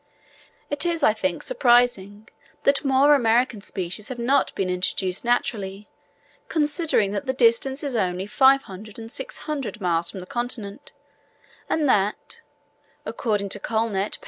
It is, I think, surprising that more American species have not been introduced naturally, considering that the distance is only between 500 and 600 miles from the continent, and that (according to Collnet, p.